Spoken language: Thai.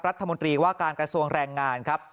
รัฐมนตรีว่าการกระทรวงแรงงานครับ